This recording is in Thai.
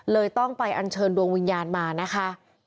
ต้องไปอัญเชิญดวงวิญญาณมานะคะ